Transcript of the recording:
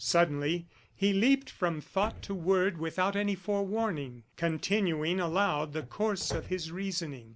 Suddenly he leaped from thought to word without any forewarning, continuing aloud the course of his reasoning.